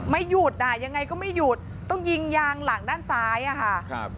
ไม่หยุดอ่ะยังไงก็ไม่หยุดต้องยิงยางหลังด้านซ้ายอ่ะค่ะครับ